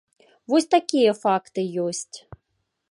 Вось такія факты ёсць.